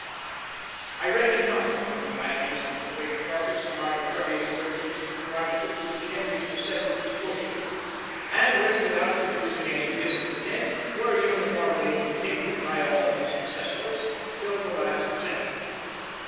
[] I reckon not among the violations of the Great Charter some arbitrary exertions of prerogative to which Henry's necessities pushed him, and which, without producing any discontent, were uniformly continued by all his successors, till the last century.